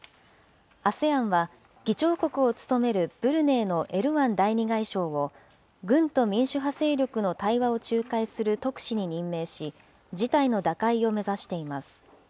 ＡＳＥＡＮは、議長国を務めるブルネイのエルワン第２外相を軍と民主派勢力の対話を仲介する特使に任命し、事態の打開を目指しています。